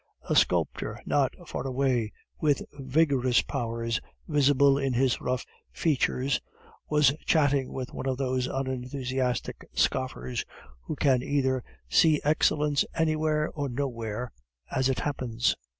A sculptor, not far away, with vigorous power visible in his rough features, was chatting with one of those unenthusiastic scoffers who can either see excellence anywhere or nowhere, as it happens.